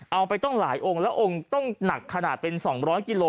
เอาไปต้องหลายองค์แล้วองค์ต้องหนักขนาดเป็น๒๐๐กิโล